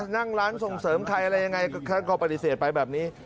นั่งร้านส่งเสริมไข่อะไรอย่างไรก็ปฏิเสธไปแบบนี้